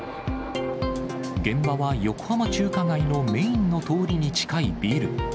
現場は横浜中華街のメインの通りに近いビル。